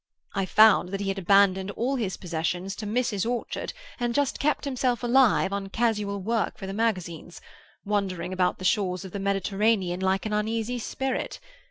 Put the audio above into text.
I found that he had abandoned all his possessions to Mrs. Orchard, and just kept himself alive on casual work for the magazines, wandering about the shores of the Mediterranean like an uneasy spirit.